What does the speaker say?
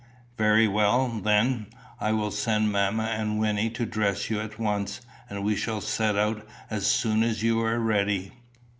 "Very well, then. I will send mamma and Wynnie to dress you at once; and we shall set out as soon as you are ready."